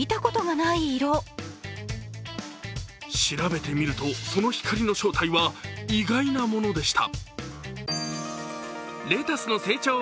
調べてみると、その光の正体は意外なものでした。